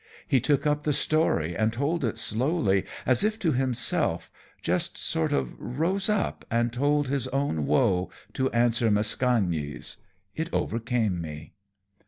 He took up the story and told it slowly, as if to himself, just sort of rose up and told his own woe to answer Mascagni's. It overcame me."